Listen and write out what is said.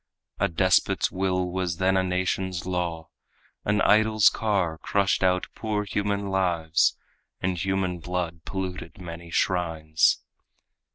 A despot's will was then a nation's law; An idol's car crushed out poor human lives, And human blood polluted many shrines.